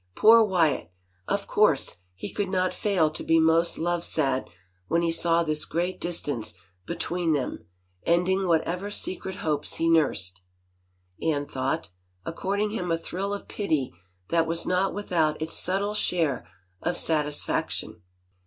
Poor Wyatt — of course he could not fail to be most love sad when he saw this great distance between them ending whatever secret hopes he nursed, Anne thought, according him a thrill of pity that was not without its subtle share of satisfaction.